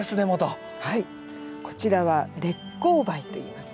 こちらは烈公梅といいます。